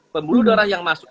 pembuluh darah yang masuk